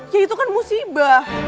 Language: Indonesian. ya itu kan musibah